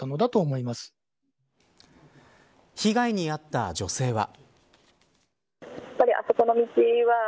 被害に遭った女性は。